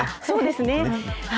そうですね。